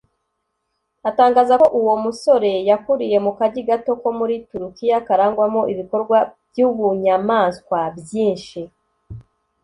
Atangaza ko uwo musore yakuriye mu kagi gato ko muri Turikiya karangwamo ibikorwa by’ubunyamaswa byinshi